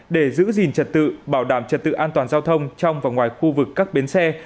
để giữ gìn trật tự bảo đảm trật tự an toàn giao thông trong và ngoài khu vực các bến xe